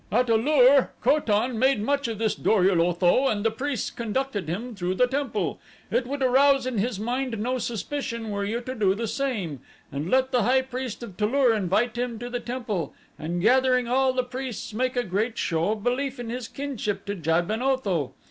"At A lur, Ko tan made much of this Dor ul Otho and the priests conducted him through the temple. It would arouse in his mind no suspicion were you to do the same, and let the high priest of Tu lur invite him to the temple and gathering all the priests make a great show of belief in his kinship to Jad ben Otho.